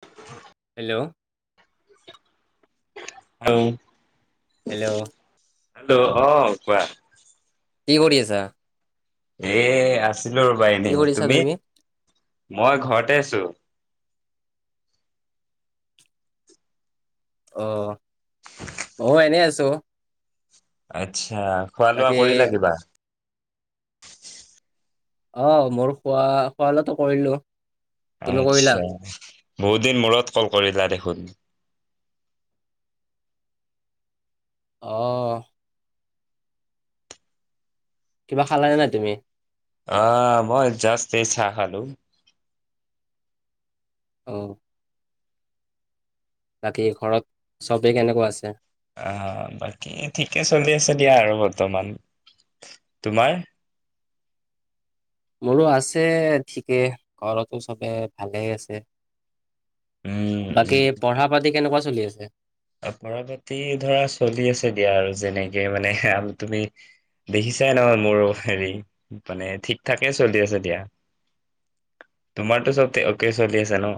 [inaudible] Hello. Hello hello. Hello, অ', কোৱা। কি কৰি আছা? এ, আ ছিলো ৰ'বা কি এনে, কৰিছা তুমি? মই ঘৰতে আছো। অ', মই এনেই আছো। আতছ। আ, খোৱা লোৱা বাকী কৰিলা কিবা? অ', মোৰ খোৱা, খোৱা লোৱা টো কৰিলো। তুমি কৰিলা? আত্ছা। বহুত দিন মূৰত ক'ল কৰিলা দেখোন? অ'। কিবা খালানে নাই তুমি? অ', মই জাষ্ট এই চাহ খালো। অ'। বাকী ঘৰত চবে কেনেকুৱা আছে? অ', বাকী ঠিকে চলি আছে দিয়া আৰু বৰ্তমান। তোমাৰ? মোৰো আছে ঠিকে, ঘৰতো চবে ভালেই আছে। উম বাকী পঢ়া-পাটি কেনেকুৱা চ লি আছে। অ', পঢ়া-পাটি ধৰা চলি আছে দিয়া আৰু যেনেকে মানে তুমি দেখিছাই নহয় মোৰো হেৰি, মানে ঠিক ঠাকে চলি আছে দিয়া। তোমাৰতো চব অ'কে চলি আছে ন?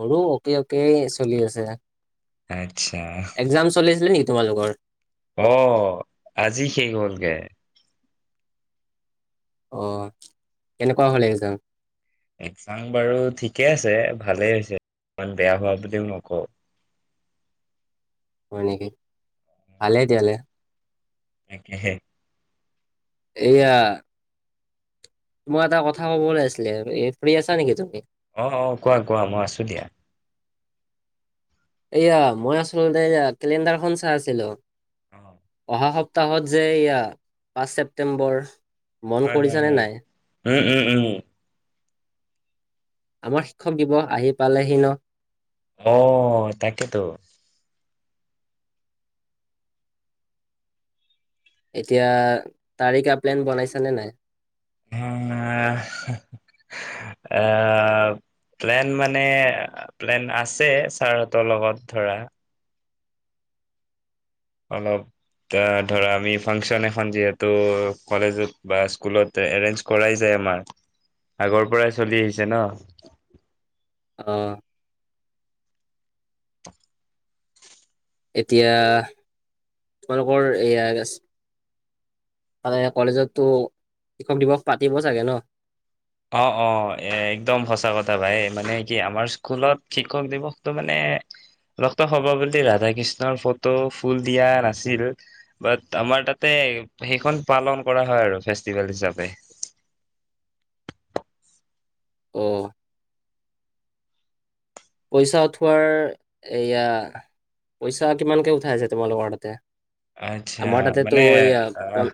মোৰো অকে, অকে, চলি আছে। আচ্ছা। এক্জাম চলি আছিলে নেকি তোমালোকৰ অ', আজি শেষ হ'লগে। অ', কেনেকুৱা হ'ল একজাম? একজাম বাৰু ঠিকে আছে, ভালেই হৈছে, ইমান বেয়া হোৱা বুলিও নকওঁ। হয় নেকি? ভালে তেতিয়া হ'লে। তাকেহে। এয়া মই এটা কথা ক'বলৈ আছিলে, ফ্ৰি আছা নেকি তুমি? অ', অ', কোৱা কোৱা মই আছো দিয়া। এয়া, মই আচলতে কেলেণ্ডাৰখন চাই আছিলো। অ', অহা সপ্তাহত যে এয়া পাঁচ ছেপ্টেম্বৰ মন হয়, হয়, কৰিছানে হয়। নাই উম, উম, উম। আমাৰ শিক্ষক দিব আহি পালেহি ন। অ' তাকেই টো। এতিয়া তাৰে কিবা প্লেন বনাইছা নে নাই? আহ প্লেন মানে প্লেন আছে ছাৰহতঁৰ লগত ধৰা। অলপ ধৰা আমি ফাংচন এখন যিহেতু কলেজত বা স্কুলত এৰেঞ্জ কৰাই যায় আমাৰ আগৰ পৰাই চলি আহিছে ন। অ'। এতিয়া তোমালোকৰ এয়া আগছ মানে কলেজতো শিক্ষক দিৱস পাতিব চাগে ন? অ অ একদম সঁচা কথা ভাই মানে কি আমাৰ স্কুলত শিক্ষক দিৱসটো মানে ৰক্ত সৰ্বপল্লী ৰাধাকৃষ্ণৰ ফটো ফুল দিয়া নাছিল। বাট আমাৰ তাতে সেইখন পালন কৰা হয় আৰু ফেষ্টিভেল হিচাপে। অ। পইচা উঠোৱাৰ এয়া পইচা কিমানকে উঠাই আছে তোমালোকৰ তাতে? আচ্ছা আমাৰ তাতেতো মানে এয়া আহ পন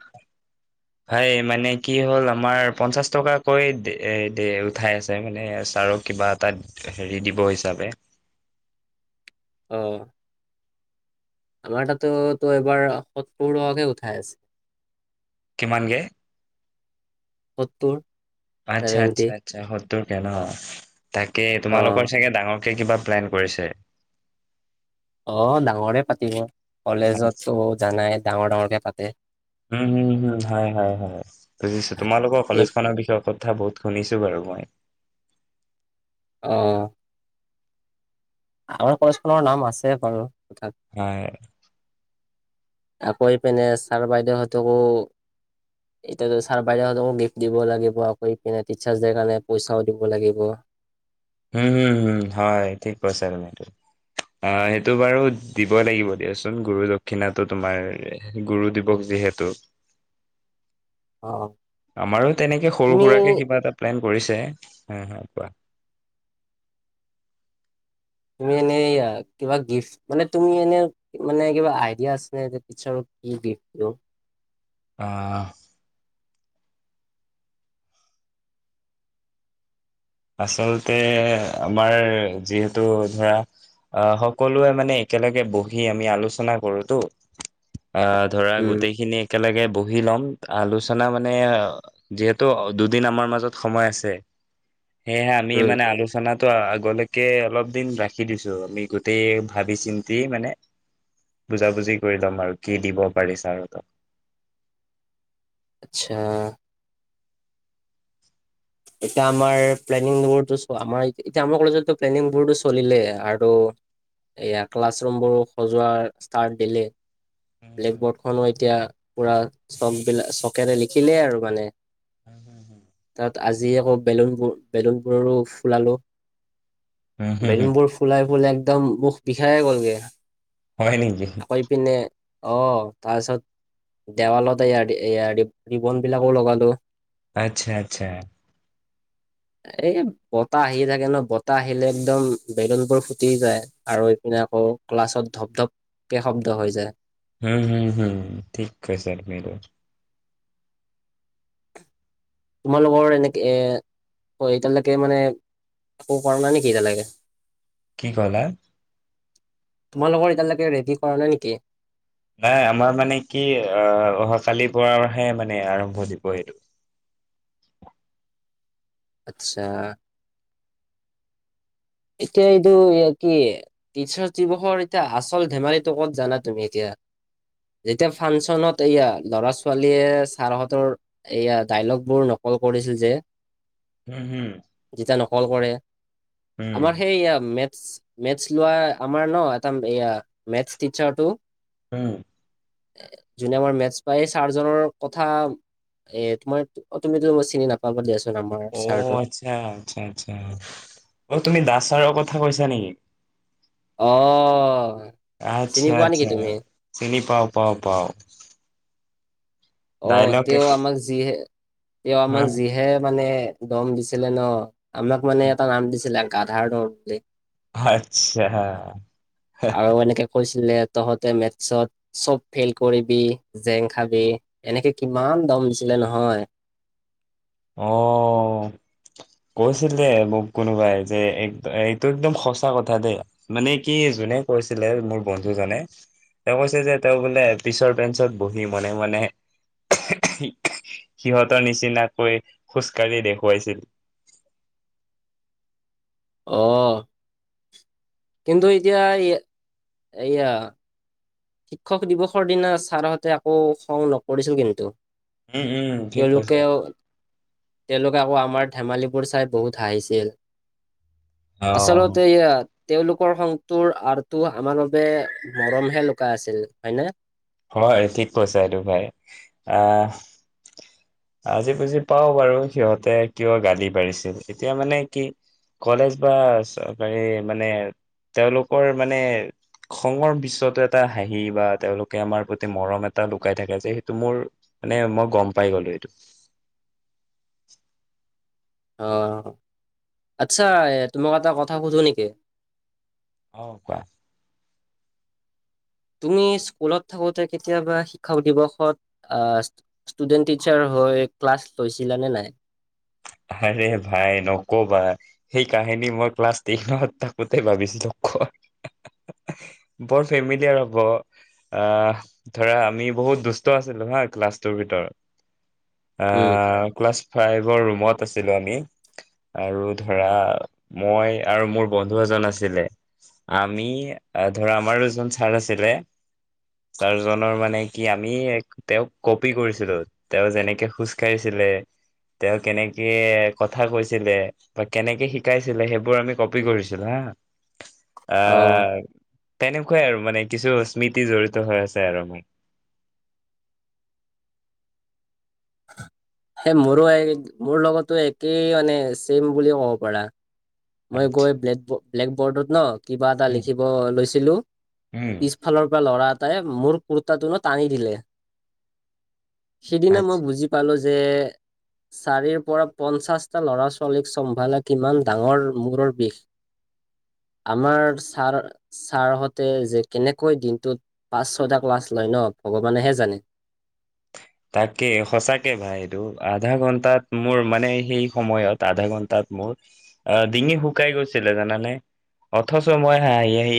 ভাই মানে কি হ'ল আমাৰ পঞ্চাশ টকাকৈ উঠাই আছে মানে ছাৰক কিবা এটা হেৰি দিব হিচাপে। অঁ। আমাৰ তাতো তো এবাৰ হঁতৰ টকা কে উঠাই আছে। কিমান কে? সত্তৰ। আচ্ছা ছেভেন্টি আচ্ছা আচ্ছা। হতৰ কে নহ? তাকে অ তোমালোকৰ চাগে ডাঙৰ কিবা প্লেন কৰিছে? অ ডাঙৰে পাতিব কলেজতো জানাই। ডাঙৰ ডাঙৰকে পাতে। উম উম হম হয় বুজিছো তোমালোকৰ এই কলেজ খনৰ বিষয় কথা বহুত শুনিছো। কগই [unintelligible] আহ। আমাৰ কলেজখনৰ নাম আছে বাৰু। তথাপি নাই। আকৌ পিনে ছাৰ বাইদেউহঁতকো এতিয়াাত ছাৰ বাইদেউহতকো গিফ্ট দিব লাগিব আকৌ পিনে টিচাৰ্চ ডেৰ কাৰণে পইচাও দিব লাগিব। হম হম হম হয় ঠিক কৈছা তুমটো আহ সেইটো বাৰু দিবই লাগিব দিয়াচোন গুৰু দক্ষিণাটো তোমাৰ গুৰু দিৱস যিহেতু। অ আমাৰো তেনেকে সৰু তুমি সুৰাকে কিবা এটা প্লেন কৰিছে হা হা কোৱা তুমি এনে কিবা গিফট মানে তুমি এনে মানে কিবা আইডিয়া আছে নে টিচাৰ কি গিফ্ট দিওঁ আহ আচলতে আমাৰ যিহেতু ধৰা আহ সকলোৱে মানে একেলগে বহি আমি আলোচনা কৰোতো অ ধৰা উম গোটেইখিনি একেলগে বহুত পুহি ল'ম আলোচনা মানে যিহেতু দুদিন আমাৰ মাজত সময় আছে সেয়েহে আমি উম মানে আলোচনাত ত আগলৈকে অলপ দিন ৰাখি দিছো আমি গোটেই ভাবি চিন্তি মানে বুজ বুজি কৰি লম আৰু কি দিব পাৰি ছাৰতক আচ্ছা এতিয়া আমাৰ প্লেনিং বোৰো আমাৰ এতিয়া আমাৰ কলেজতো প্লেনিং বোৰটো চলিলে আৰু এয়া ক্লাছ ৰুম বোৰ সজোৱা ষ্টাৰ্ট দিলে উম ব্লেকবৰ্ড খো এতিয়া পুৰা চক বিলাক চকেৰে লিখিলেই আৰু মানে উম হম হু তাত আজি আকৌ বেলুনবোৰ বেলুনবোৰৰো ফুলালো। হম হম বেলুন বোৰ ফুলাই ফলে এক একদম মুখ বিষায়ে গ'লগে হয় নেকি আকৈপিনে অ তাৰপিছত দেৱালত ৰিবন বিলাকো লগালো আচ্ছা আচ্ছা এ বতাহ আহিয়ে থাকে ন বতাহ আহিলে একদম বেলুনবোৰ ফুটি যায় আৰু এইপিনে আকৌ ক্লাছত ধপ ধপ কে শব্দ হৈ যায় হম হম হম ঠিক আ ছ ম তোমালোকৰ এনেকে এ এতিয়ালৈকে মানে ক পৰা নাই নেকি এতিয়ালৈকে কি কলা তোমালোকৰ এতিয়ালৈকে ৰেডি কৰা নাই নেকি নাই আমাৰ মানে কি আহ অহা কালিৰ পৰাহে মানে আৰম্ভ দিব এইেইটো আচ্ছা এতিয়া এইটো কি টিচাৰ্চ দিৱসৰ এতিয়া আচল ধেমালিটো কত জানা তুমি এতিয়া যেতিয়া ফাংচনত এয়া ল'ৰা ছোৱালীয়ে ছাৰহঁতৰ এয়া ডাইলগ বোৰ নকল কৰিছিল যে হম হম যেতিয়া নকল কৰে হম আমাৰ সেইয় ম মেথছ লোৱা আমাৰ ন এটা এ মেথ টিচাৰটো হম এ যোনে আমাৰ মেথছ পায় চাৰজনৰ কথা এ তোমাৰ তুমিতো চিনি নাপাব বুলি আছ অ আচ্ছা আচ্ছা আচ্ছা অ তুমি দাস ছাৰৰ কথা কৈছা নেকি অ চিনি আচ্ছা পোৱা নেকি আচ্ছা তুমি? চিনি পাও পাও পাও অ ডাইলগ তেওঁ আমাক যিহে এ হা আমাক যিহে মানে দম দিছিলে ন আমাক মানে এটা নাম দিছিলে গাধাৰ দৰলে আচ্ছা ছিলে তহঁতে মেথছত চব ফেইল কৰিবি জেং খাবি এনেকে কিমান দম দিছিলে নহয় অ কৈছিল মোক কোনোবাই যে এইটো একদম সঁচা কথা দেই মানে কি যোনে কৈছিলে মোৰ বন্ধুজনে তেওঁ কৈছে যে তেওঁ বোলে পিছৰ পেঞ্চত বহি মানে মানে সিহঁতৰ নিচিন হৈ খোজকাঢ়ি দেখুৱাইছিল আহ কিন্তু এতিয়া এয়া শিক্ষক দিৱসৰ দিনা ছাৰহঁতে আকৌ খং নকৰিছিল কিন্তু উম উম ঠিক কৈছ তেওঁলোকেও আৰু তেওঁলোকে আকৌ আমাৰ ধেমালিবোৰ চাই বহুত হাঁহিছিল। অ আচলতে এয়া তেওঁলোকৰ সংগটোৰ আটো আমাৰ বাবে মৰমহে [unintelligible] আছিল হয়নে। হয় ঠিক কৈছা টো ভাই, আহ আজি বুজি পাও বাৰু সিহঁতে কিয় গালি পঢাৰিছিল, এতিয়া মানে কি কলেজ বা চৰকাৰী মানে তেওঁলোকৰ মানে খঙৰ বিশ্বতো এটা হাঁহি বা তেওঁলোকে আমাৰ প্ৰতি মৰম এটা লুকাই থাকে যে সেইটো মোৰ মানে মই গম পাই গলো। বু [inaudible] অ' আচ্ছা, তোমাক এটা কথা সুধো নেকি। অহ কোৱা। তুমি স্কুলত থাকোতে কেতিয়াবা শিক্ষক দিৱসত ষ্টুডেণ্ট-টিচাৰ হৈ ক্লাছ লৈছিলানে নাই? আৰে ভাই নকবা সেই কাহিনী মই ক্লাছ এইটত থাকোতে ভাবিছিলো ক বৰ ফেমিলিয়াৰ হব আহ ধৰা আমি বহুত দুষ্ট আছিলো হা ক্লাছটোৰ ভিতৰত। উম, অ' ক্লাছ ফাইভৰ ৰুমত আছিলো আমি আৰু ধৰা মই আৰু মোৰ বন্ধু এজন আছিলে, আমি ধৰা আমাৰ দুজন ছাৰ আছিলে, ছাৰজনৰ মানে কি আমি তেওঁক কপি কৰিছিলো, তেওঁ যেনেকে খোজকাঢ়িছিলে তেওঁ কেনেকে কথা কৈছিলে বা কেনেকে শিকাইছিলে সেইবোৰ আমি কপি কৰিছিলো হা। আ, অ তেনেকুৱাই আৰু মানে কিছু স্মৃতি জড়িত হৈ আছে আৰু উম। সেই মোৰো, মোৰ লগতো একেই মানে ছেম বুলি ক'ব পাৰা। মই আচ্ছা গৈ ব্লেক বৰ্ডত ন কিবা এটা উম লিখিব লৈছিলো উম পিছফালৰ পৰা ল'ৰা তাই মোৰ কুৰ্তাটোনো টানি দিলে। সেইদিনা আচ্ছা মই বুজি পালো যে চাৰিৰ পৰা পঞ্চাশটা ল'ৰা ছোৱালীক চম্ভালা কিমান ডাঙৰ মূৰৰ বিষ, আমাৰ ছাৰ-ছাৰহঁতে যে কেনেকৈ দিনটোত পাঁচ ছয়টা ক্লাছ লয় ন ভগৱানেহে জানে। তাকে সঁচাকে ভাই এইটো, আধা ঘন্টাত মোৰ মানে সেই সময়ত আধা ঘন্টাত মোৰ ডিঙি শুকাই গৈছিলে জানানে, অথচ মই হাঁহি-হাঁহি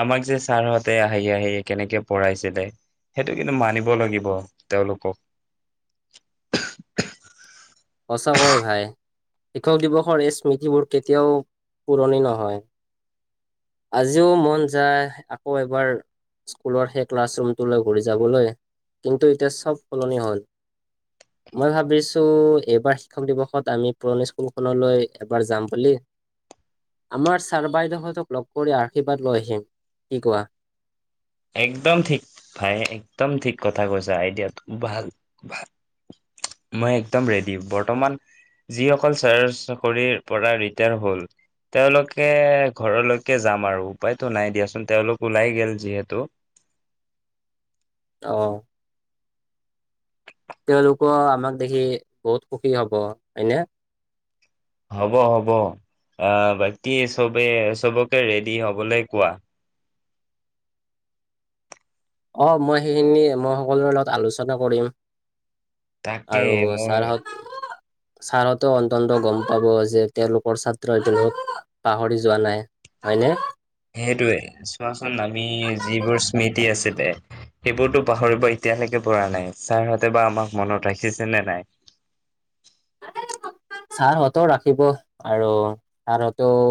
আমাক যে ছাৰ হহঁতে হাঁহি-হাঁহি কেনেকে পঢ়াইছিলে সেইটো কিন্তু মানিব লাগিব। তেওঁলোকক। সঁচাকৈ ভাই শিক্ষক দিৱসৰ এই স্মৃতিবোৰ কেতিয়াও পুৰণি নহয়। আজিও মন যায় আকৌ এবাৰ স্কুলৰ সেই ক্লাছৰুমটোলৈ ঘূৰি যাবলৈ কিন্তু এতিয়া চব সলনি হল মই ভাবিছো এইবাৰ শিক্ষক দিৱসত আমি পুৰণি স্কুলখনলৈ এবাৰ যাম বুলি। আমাৰ ছাৰ বাইদেউহঁতক লগ কৰি আশীৰ্বাদ লৈ আহিম কি কোৱা। একদম ঠিক ভাই একদম ঠিক কথা কৈছা আইডিয়া ভাল-ভাল মই একদম ৰেডি, বৰ্তমান যিসকল চাৰ চাকৰিৰ পৰা ৰিটায়াৰ হল তেওঁলোকে ঘৰলৈকে যাম আৰু উপায়তো নাই দিয়াচোন তেওঁলোক ওলাই গল যিহেতু তো, অহ। তেওঁলোকওঁ আমাক দেখি বহুত সুখী হব হয়নে। হ'ব-হ'ব আ, বাকী চবে চবকে ৰেডি হবলৈ কোৱা। অ মই সেইখিনি মই সকলোৰে লগত আলোচনা কৰিম। তাকে আৰু মই ছাৰ আহক। ছাৰহতেও অন্তন্ত গম পাব যে তেওঁলোকৰ ছাত্ৰই যে মোক পাহৰি যোৱা নাই হয়নে। সেইটোৱে, চোৱাচোন আমি যিবোৰ স্মৃতি আছিল। সেইবোৰতো পাহৰিব এতিয়ালৈকে পৰা নাই ছাৰহতে বা আমাক মনত ৰাখিছে নে নাই। ছাৰহঁতেও ৰাখিব আৰু ছাৰহঁতেও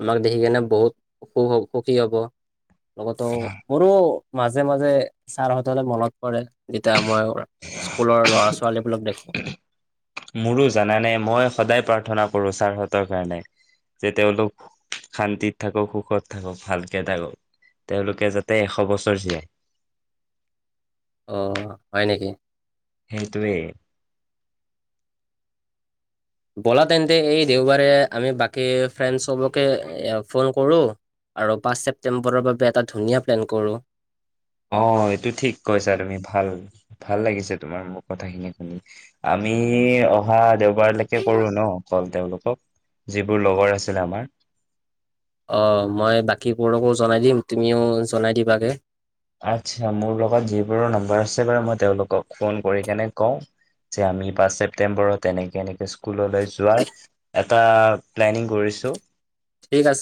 আমাক দেখি কেনে বহুত সুখ-সুখী হ'ব। লগতো মোৰো মাজে-মাজে ছাৰহতলৈ মনত পৰে যেতিয়া আমাৰ স্কুলৰ ল'ৰা-ছোৱালী, মোৰো জানানে মই সদায় প্ৰাৰ্থনা কৰো চাৰহঁতৰ কাৰণে যে তেওঁলোক শান্তিত থাকক সুখত থাকক ভালকে থাকক তেওঁলোকে যাতে এশ বছৰ জীয়াই, অ হয় নেকি? সেইটোৱে। ব'লা তেন্তে এই দেওবাৰে আমি বাকী ফ্ৰেণ্ডছবকে ফোন কৰোঁ আৰু পাঁচ ছেপটেম্বৰৰ বাবে এটা ধুনীয়া প্লেন কৰোঁ। অ এইটো ঠিক কৈছা তুমি ভাল ভাল লাগিছে তোমাৰ মোক, কথা খিনি শুনি আমি অহা দেও এবাৰলৈকে কৰো ন। অ তেওঁলোকক যিবোৰ লগৰ আছিল আমাৰ অ মই বাকীবোৰকো জনাই দিম তুমিও জনাই দিবাগে। আচ্ছা মোৰ লগত যিবোৰৰ নম্বৰ আছে বাৰু মই তেওঁলোকক ফোন কৰি কেনে কওঁ যে আমি পাঁচ ছেপ্টেম্বৰত এনেকে এনেকে স্কুললৈ যোৱাৰ এটা প্লেনিং কৰিছোঁ। ঠিক আছে।